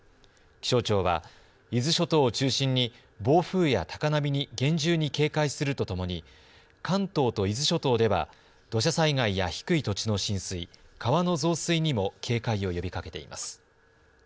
気象庁は伊豆諸島を中心に暴風や高波に厳重に警戒するとともに関東と伊豆諸島では土砂災害や低い土地の浸水、川の増水にも警戒を呼びかけています。